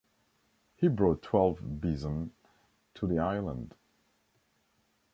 He brought twelve bison to the island.